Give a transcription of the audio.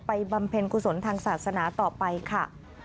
บำเพ็ญกุศลทางศาสนาต่อไปค่ะ